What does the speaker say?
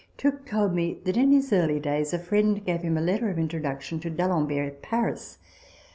Tooke told me that in his early days a friend gave him a letter of introduction to D'Alembert at Paris.